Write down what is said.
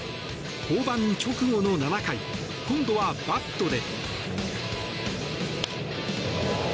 降板直後の７回今度は、バットで。